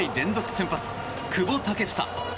先発久保建英。